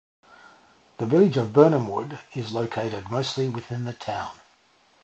The Village of Birnamwood is located mostly within the town.